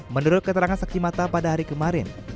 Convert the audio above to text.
menurut keterangan saksi mata pada hari kemarin